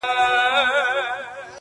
وجود پرېږدمه د وخت مخته به نڅا کومه,